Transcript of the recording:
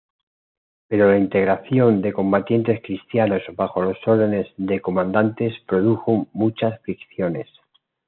Pero la integración de combatientes cristianos bajo las órdenes de comandantes produjo muchas fricciones.